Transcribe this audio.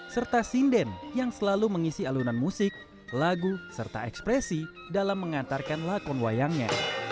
serta sinden yang selalu mengisi alunan musik lagu serta ekspresi dalam mengantarkan lakon wayangnya